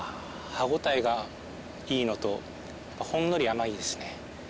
歯応えがいいのとほんのり甘いですね。